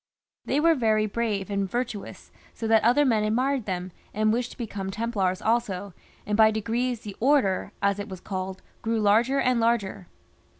They were very brave and virtuous, so that other men admired them, and wished to become Templars also, and by degrees the " Order," as it was called, grew larger and larger.